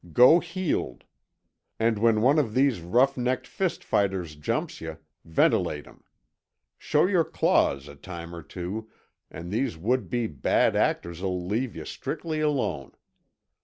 Go heeled. And when one uh these rough necked fist fighters jumps yuh, ventilate him. Show your claws a time or two, and these would be bad actors'll leave yuh strictly alone.